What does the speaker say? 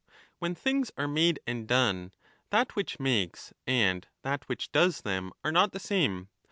When things are made and done, that which makes and that which does them are not the same.